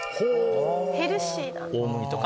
ヘルシーだな。